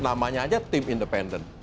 namanya aja tim independen